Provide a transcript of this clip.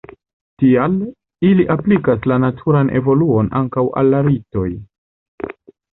Tial, ili aplikas la naturan evoluon ankaŭ al la ritoj.